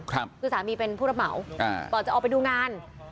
คือสามีเป็นผู้รับเหมาอ่าก่อนจะออกไปดูงาน